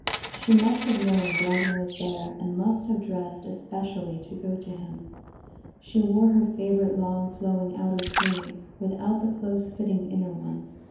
She must have known Brandon was there, and must have dressed especially to go to him. She wore her favorite long flowing outer sleeve, without the close fitting inner one.